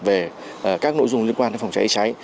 về các nội dung liên quan đến phòng cháy cháy